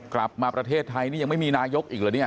กลับมาประเทศไทยนี่ยังไม่มีนายกอีกเหรอเนี่ย